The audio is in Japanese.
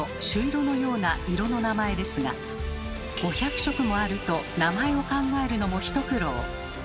「しゅいろ」のような色の名前ですが５００色もあると名前を考えるのも一苦労。